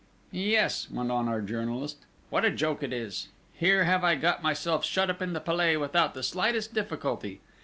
"Yes," went on our journalist, "what a joke it is! Here have I got myself shut up in the Palais without the slightest difficulty!